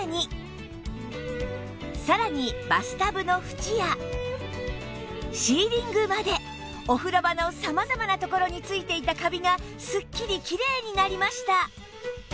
さらにバスタブの縁やシーリングまでお風呂場の様々なところについていたカビがすっきりきれいになりました